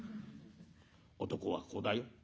男はここだよ。